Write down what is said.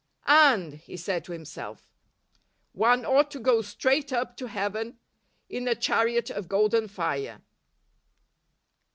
"And," he said to himself, "one ought to go straight up to heaven in a chariot of golden fire."